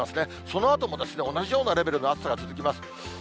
そのあとも同じようなレベルの暑さが続きます。